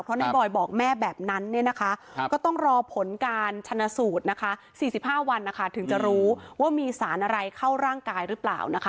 เพราะในบอยบอกแม่แบบนั้นก็ต้องรอผลการชนสูตร๔๕วันถึงจะรู้ว่ามีสารอะไรเข้าร่างกายหรือเปล่า